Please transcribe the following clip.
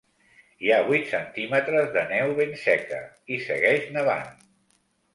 Hi ha vuit cm de neu ben seca i segueix nevant.